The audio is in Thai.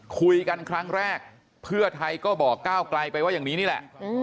คุยกันครั้งแรกเพื่อไทยก็บอกก้าวไกลไปว่าอย่างนี้นี่แหละ